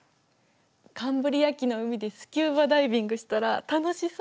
カンブリア紀の海でスキューバダイビングしたら楽しそう。